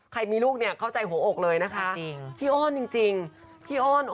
ใครมีลูกเนี้ยเข้าใจหัวอกเลยนะคะจริงพี่อ้อนจริงจริงพี่อ้อน